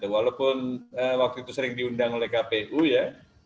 walaupun waktu itu sering diundang oleh kpu ya